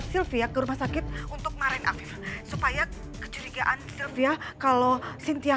sylvia ke rumah sakit untuk marahin afif supaya kecurigaan sylvia kalau sintia